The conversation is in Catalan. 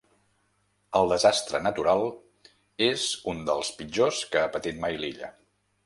El desastre natural és un dels pitjors que ha patit mai l’illa.